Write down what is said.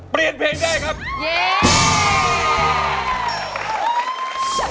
เปลี่ยนเพลงได้ครับ